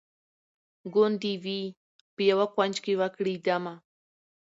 ګوندي وي په یوه کونج کي وکړي دمه